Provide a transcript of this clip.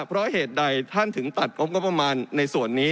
เพราะเหตุใดท่านถึงตัดงบประมาณในส่วนนี้